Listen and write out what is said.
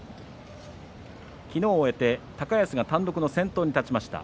昨日を終えて高安が単独の先頭に立ちました。